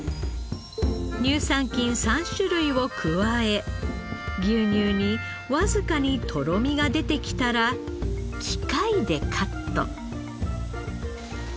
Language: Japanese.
乳酸菌３種類を加え牛乳にわずかにとろみが出てきたら機械でカット。